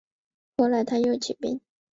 后来他又起兵。